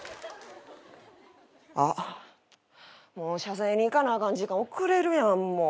あっもう謝罪に行かなあかん時間遅れるやんもう。